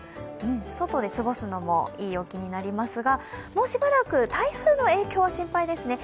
外で過ごすのもいい陽気になりますがもうしばらく台風の影響、心配ですね。